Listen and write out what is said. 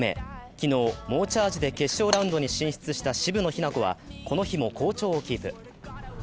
昨日、猛チャージで決勝ラウンドに進出した渋野日向子はこの日も好調をキープ。